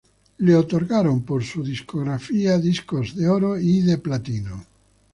Su discografía le otorgaron discos de oro y de platino.